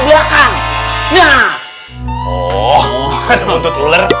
ustadz bukannya buat ke belakang